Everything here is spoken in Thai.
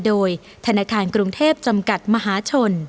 โดยธนาคารกรุงเทพจำกัดมหาชน